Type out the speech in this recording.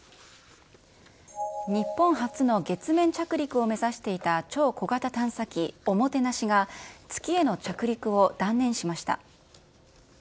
日本初の月面着陸を目指していた超小型探査機オモテナシが、月への着陸を断念しました。